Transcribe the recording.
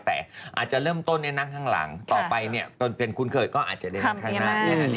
แต่อาจจะเริ่มต้นในหน้างข้างหลังต่อไปเป็นคุณเคยก็อาจจะในหน้างข้างหน้า